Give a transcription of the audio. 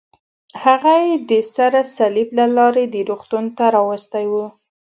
هغه یې د سره صلیب له لارې دې روغتون ته راوستی و.